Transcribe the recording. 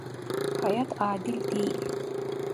Hayat adil değil.